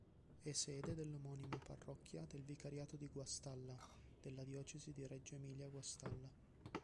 È sede dell'omonima parrocchia del vicariato di Guastalla della Diocesi di Reggio Emilia-Guastalla.